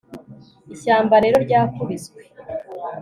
ishyamba rero ryakubiswe